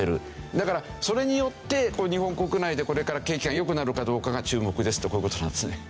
だからそれによって日本国内でこれから景気が良くなるかどうかが注目ですってこういう事なんですね。